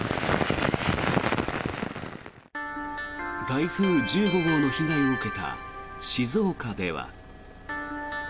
台風１５号の被害を受けた静岡では。